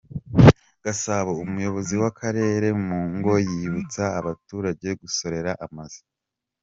Gasabo Umuyobozi wa Karere mu ngo yibutsa abaturage gusorera amazu